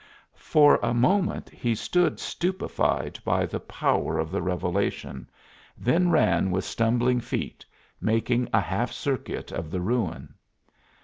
For a moment he stood stupefied by the power of the revelation, then ran with stumbling feet, making a half circuit of the ruin.